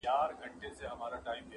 که خدای وکړه هره خوا مي پرې سمېږي,